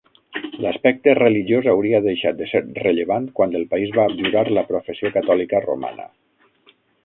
L'aspecte religiós hauria deixat de ser rellevant quan el país va abjurar la professió catòlica romana.